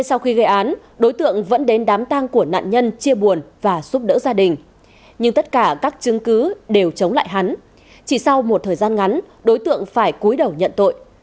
sau một thời gian ngắn đối tượng phải cúi đầu nhận tội